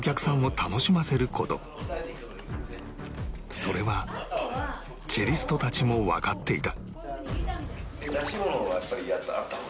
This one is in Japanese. それはチェリストたちもわかっていた